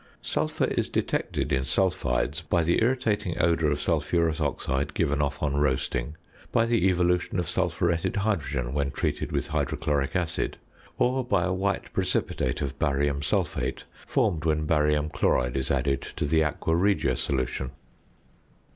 Sulphur is detected in sulphides by the irritating odour of sulphurous oxide given off on roasting, by the evolution of sulphuretted hydrogen when treated with hydrochloric acid, or by a white precipitate of barium sulphate formed when barium chloride is added to the aqua regia solution.